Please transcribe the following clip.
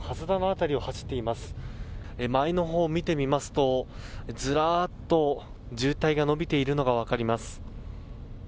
周りの方を見てみますとずらっと渋滞が伸びているのが分かります。